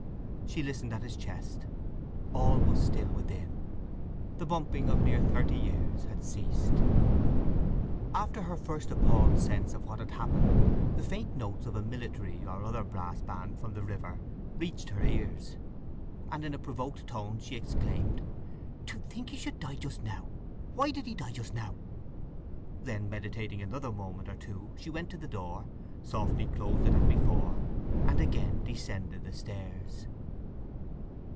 She listened at his chest. All was still within. The bumping of near thirty years had ceased. After her first appalled sense of what had happened, the faint notes of a military or other brass band from the river reached her ears; and in a provoked tone she exclaimed, "To think he should die just now! Why did he die just now!" Then meditating another moment or two she went to the door, softly closed it as before, and again descended the stairs.